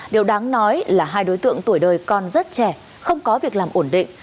điều đáng nói là hai đối tượng tuổi đời còn rất trẻ không có việc làm ổn định